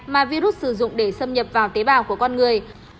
mà virus sử dụng để xâm nhập vào tế bào của con người